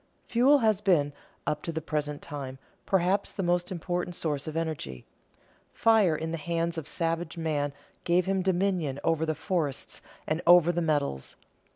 Fuel has been, up to the present time, perhaps the most important source of energy. Fire in the hands of savage man gave him dominion over the forests and over the metals.